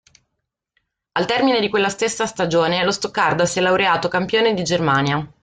Al termine di quella stessa stagione, lo Stoccarda si è laureato campione di Germania.